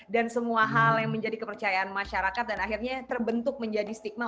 dan semua hal yang menjadi kepercayaan masyarakat dan akhirnya terbentuk menjadi stigma